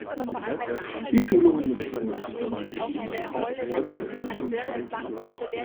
Die Schulungen richten sich dabei sowohl an Haupt- als auch Ehrenamtliche.